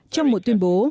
trong một tuyên bố